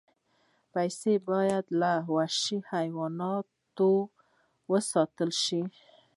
پسه باید له وحشي حیواناتو وساتل شي.